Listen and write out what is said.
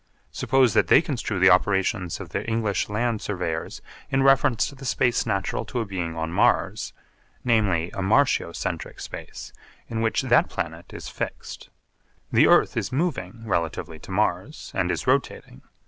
Suppose that they construe the operations of the English land surveyors in reference to the space natural to a being on Mars, namely a Martio centric space in which that planet is fixed. The earth is moving relatively to Mars and is rotating.